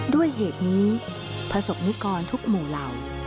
ด้วยเหตุนี้ประสบนิกรทุกหมู่เหล่า